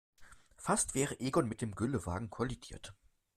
Fast wäre Egon mit dem Güllewagen kollidiert.